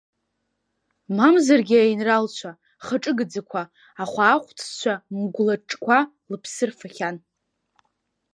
Мамзаргьы аинралцәа, хаҿы гаӡацәа, ахәаахәҭцәа мгәлаҿқәа лыԥсы рфахьан.